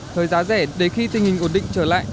thời giá rẻ để khi tình hình ổn định trở lại